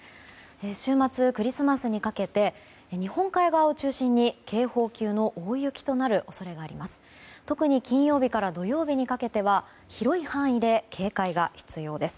週末、クリスマスにかけて日本海側を中心に警報級の大雪となる恐れがあります。